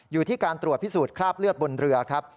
อยู่ที่การตรวจพิสูจนคราบเลือดบนเรือครับ